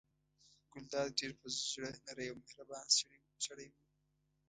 ګلداد ډېر په زړه نری او مهربان سړی و.